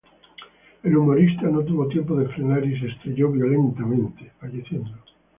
El humorista no tuvo tiempo de frenar y se estrelló violentamente, falleciendo.